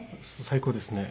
最高ですね。